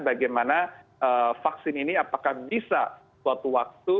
bagaimana vaksin ini apakah bisa suatu waktu